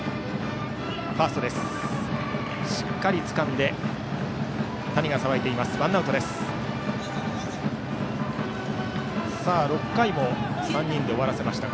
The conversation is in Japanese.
しっかりつかんで谷がさばきました。